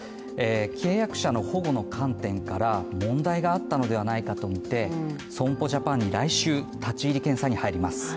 契約者の保護の観点から問題があったのではないかとみて損保ジャパンに来週、立ち入り検査に入ります。